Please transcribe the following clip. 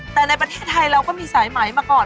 แต่ในประเทศไทยเราก็มีสายไหมมาก่อน